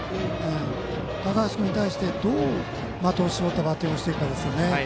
高橋君に対して、どう的を絞ってバッティングしていくかですね。